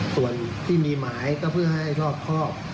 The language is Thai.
ส่วนที่มีหมายก็เพื่อให้รอบครอบ